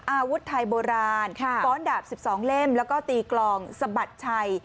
อาวุธไทยโบราณฟ้อนดาบ๑๒เล่มแล้วก็ตีกลองสะบัดชัย